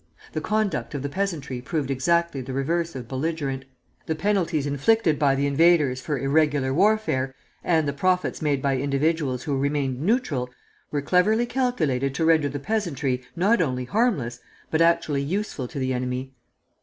The conduct of the peasantry proved exactly the reverse of belligerent. The penalties inflicted by the invaders for irregular warfare, and the profits made by individuals who remained neutral, were cleverly calculated to render the peasantry, not only harmless, but actually useful to the enemy.